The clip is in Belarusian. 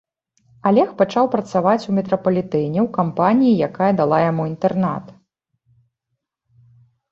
Алег пачаў працаваць у метрапалітэне ў кампаніі, якая дала яму інтэрнат.